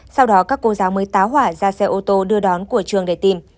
sau đó các cô giáo mới tá hỏa ra xe ô tô đưa đón của trường để tìm